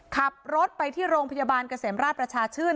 ขับรถไปที่โรงพยาบาลเกษมราชประชาชื่น